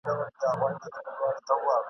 له آمو تر اباسینه وطن غواړو ..